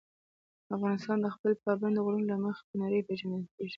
افغانستان د خپلو پابندي غرونو له مخې په نړۍ پېژندل کېږي.